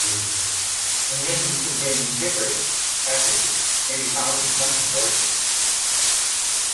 Munitions containing picric acid may be found in sunken warships.